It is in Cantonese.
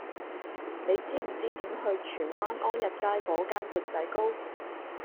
你知唔知點去荃灣安逸街嗰間缽仔糕